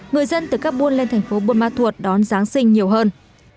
người dân từ các buôn lên thành phố buôn ma thuột đón giáng sinh nhiều hơn